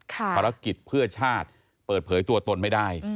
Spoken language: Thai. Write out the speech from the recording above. ภารกิจเพื่อชาติเปิดเผยตัวตนไม่ได้